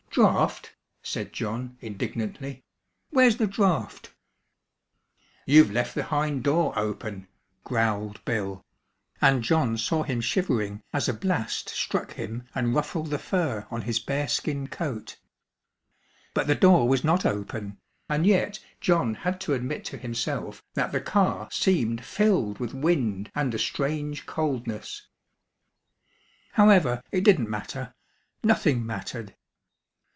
"Draught!" said John, indignantly, "where's the draught?" "You've left the hind door open," growled Bill, and John saw him shivering as a blast struck him and ruffled the fur on his bear skin coat. But the door was not open, and yet John had to admit to himself that the car seemed filled with wind and a strange coldness. However, it didn't matter. Nothing mattered!